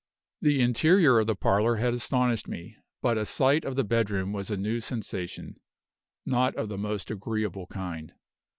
The interior of the parlor had astonished me; but a sight of the bedroom was a new sensation not of the most agreeable kind.